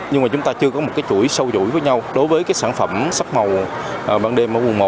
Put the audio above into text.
nhưng mà chúng ta chưa có một chuỗi sâu dũi với nhau đối với sản phẩm sắp màu ban đêm ở quần